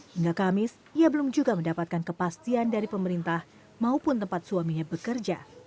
hingga kamis ia belum juga mendapatkan kepastian dari pemerintah maupun tempat suaminya bekerja